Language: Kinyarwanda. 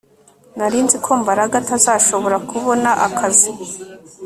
Nari nzi ko Mbaraga atazashobora kubona akazi